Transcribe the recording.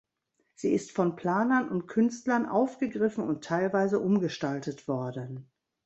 Sie ist von Planern und Künstlern aufgegriffen und teilweise umgestaltet worden.